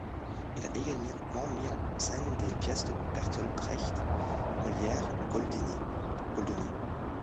Il a également mis en scène des pièces de Bertolt Brecht, Molière ou Goldoni.